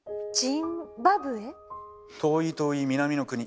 遠い遠い南の国。